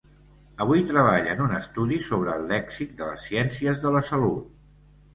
Avui treballa en un estudi sobre el lèxic de les ciències de la salut.